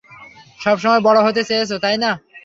সবসময় বড় হতে চেয়েছ, তাইনা?